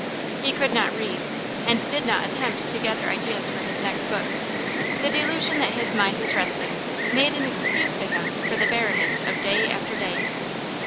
He could not read, and did not attempt to gather ideas for his next book; the delusion that his mind was resting made an excuse to him for the barrenness of day after day.